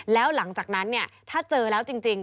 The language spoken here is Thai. แล้วหลังจากนั้นถ้าเจอแล้วจริง